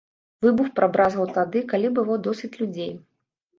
Выбух прабразгаў тады, калі было досыць людзей.